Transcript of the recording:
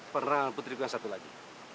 perang putriku yang satu lagi